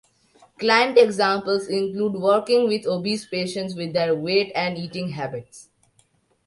Client examples include working with obese patients with their weight and eating habits.